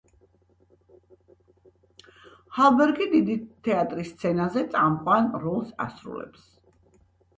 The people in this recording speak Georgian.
ჰალბერგი დიდი თეატრის სცენაზე წამყვან როლს შეასრულებს.